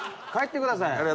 帰ってください。